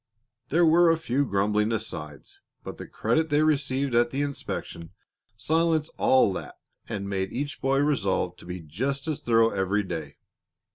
There were a few grumbling asides, but the credit they received at the inspection silenced all that and made each boy resolved to be just as thorough every day.